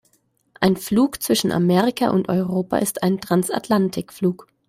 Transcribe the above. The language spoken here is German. Ein Flug zwischen Amerika und Europa ist ein Transatlantikflug.